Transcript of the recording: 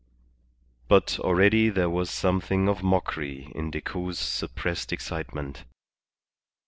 But already there was something of mockery in Decoud's suppressed excitement.